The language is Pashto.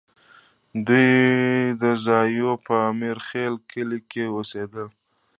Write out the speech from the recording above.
دوی د ځاځیو په امیرخېل کلي کې اوسېدل